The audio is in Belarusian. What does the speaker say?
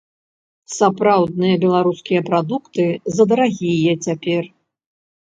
Сапраўдныя беларускія прадукты задарагія цяпер.